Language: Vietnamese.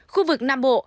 khu vực nam bộ